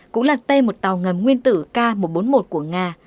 cũng là tay một tàu ngầm nguyên tử k một trăm bốn mươi một của nga